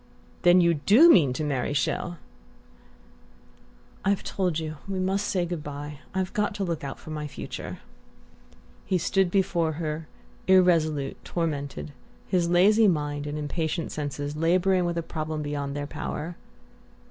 "Then you DO mean to marry Chelles?" "I've told you we must say good bye. I've got to look out for my future." He stood before her, irresolute, tormented, his lazy mind and impatient senses labouring with a problem beyond their power.